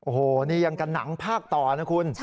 โอ้โหนี่ยังกันหนังภาคต่อนะคุณ